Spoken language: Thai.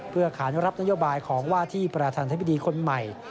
เพื่อขานุรับนโยบายของว่าที่ประธานธิบดีคนใหม่